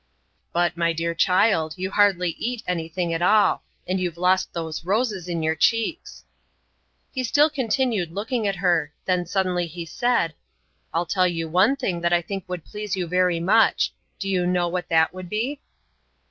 "But, my dear child, you hardly eat anything at all, and you've lost those roses in your cheeks." He still continued looking at her then suddenly he said, "I'll tell you one thing that I think would please you very much. Do you know what that would be?"